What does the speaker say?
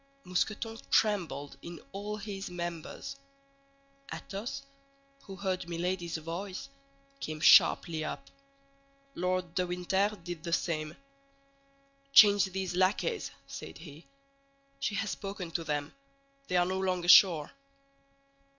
Mousqueton trembled in all his members. Athos, who heard Milady's voice, came sharply up. Lord de Winter did the same. "Change these lackeys," said he; "she has spoken to them. They are no longer sure."